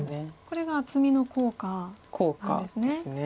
これが厚みの効果なんですね。